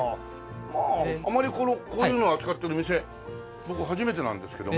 まああまりこのこういうの扱ってるお店僕初めてなんですけども。